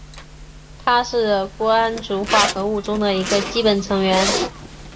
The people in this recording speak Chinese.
它是钴胺族化合物中的一个基本成员。